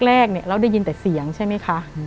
แรกเราได้ยินแต่เสียงใช่ไหมคะ